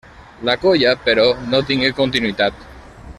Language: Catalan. La colla però no tingué continuïtat.